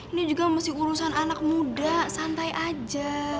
ini juga mesti urusan anak muda santai aja